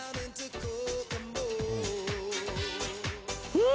うん！